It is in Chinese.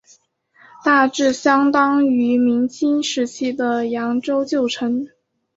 大致相当于明清时期的扬州旧城。